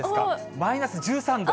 マイナス１３度。